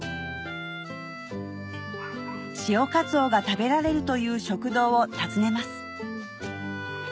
潮かつおが食べられるという食堂を訪ねます